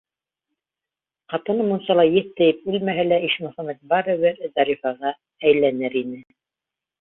Ҡатыны мунсала еҫ тейеп үлмәһә лә Ишмөхәмәт барыбер Зарифаға әйләнер ине.